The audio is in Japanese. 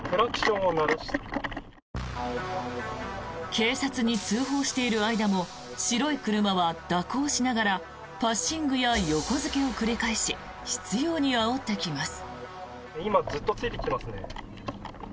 警察に通報している間も白い車は蛇行しながらパッシングや横付けを繰り返し執ようにあおってきます。